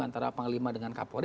antara panglima dengan kapolri